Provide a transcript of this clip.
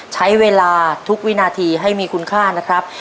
ใช้เวลาทุกวินาทีให้มีคุณค่านะครับ